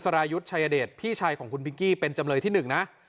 รายุทธ์ชายเดชพี่ชายของคุณพิงกี้เป็นจำเลยที่๑นะ